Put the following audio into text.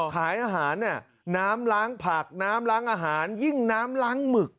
ขายอาหารน้ำล้างผักน้ำล้างอาหารยิ่งน้ำล้างหมึก